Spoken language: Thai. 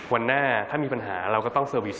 วันหน้าถ้ามีปัญหาเราก็ต้องเซอร์วิส